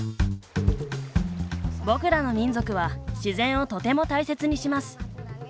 僕らの民族は自然をとても大切にします。